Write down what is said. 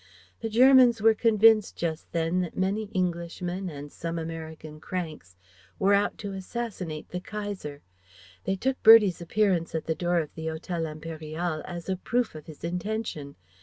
The Germans were convinced just then that many Englishmen and some American cranks were out to assassinate the Kaiser. They took Bertie's appearance at the door of the Hotel Impérial as a proof of his intention.